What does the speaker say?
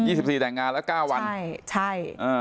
สิบสี่แต่งงานแล้วเก้าวันใช่ใช่อ่า